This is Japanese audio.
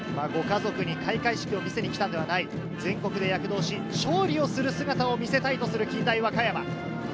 ご家族に開会式を見せに来たのではない、全国で躍動し、勝利をする姿を見せたいとする近大和歌山。